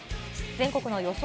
全国の予想